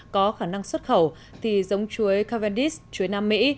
có khả năng xuất khẩu thì giống chuối cavendis chuối nam mỹ